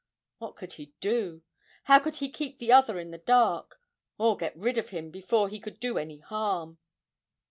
What could he do? how could he keep the other in the dark, or get rid of him, before he could do any harm?